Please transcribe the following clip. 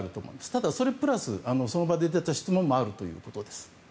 ただ、それプラス、その場で出た質問もあるということです。